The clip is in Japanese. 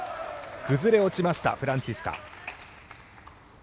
崩れ落ちましたフランツィスカ。